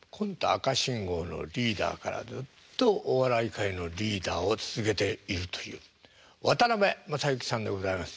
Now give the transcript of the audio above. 赤信号のリーダーからずっとお笑い界のリーダーを続けているという渡辺正行さんでございます。